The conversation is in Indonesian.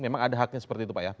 memang ada haknya seperti itu pak ya